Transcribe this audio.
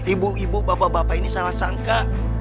ibu ibu bapak bapak ini salah sangka